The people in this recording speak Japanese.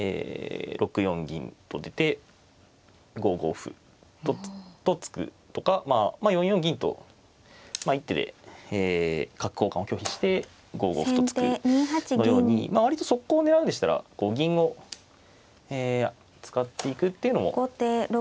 ６四銀と出て５五歩と突くとかまあ４四銀と一手でえ角交換を拒否して５五歩と突くのように割と速攻を狙うんでしたら銀を使っていくっていうのも自然だとは思うんですけど。